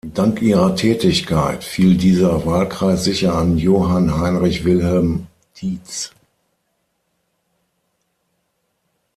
Dank ihrer Tätigkeit fiel dieser Wahlkreis sicher an Johann Heinrich Wilhelm Dietz.